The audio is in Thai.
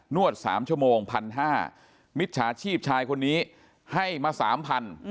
นวดสามชั่วโมงพันห้ามิชชาชีพชายคนนี้ให้มาสามพัน